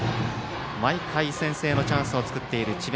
毎回先制のチャンスを作っている智弁